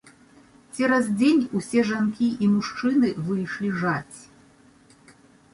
Цераз дзень усе жанкі і мужчыны выйшлі жаць.